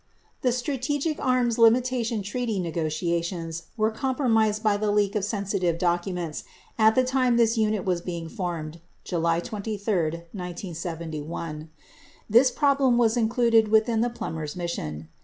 65 The Strategic Arms Limitation Treaty negotiations were compro mised by the leak of sensitive documents at the time this unit was being formed (July 23, 1971) . This problem was included within the Plumbers' mission.